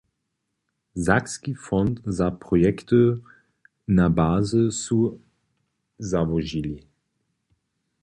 Sakski fonds za projekty na bazy su załožili.